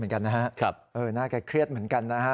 น่าจะเครียดเหมือนกันน่ะ